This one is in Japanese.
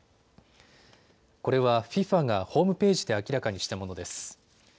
これはＦＩＦＡがホームページで明らかにしたものです。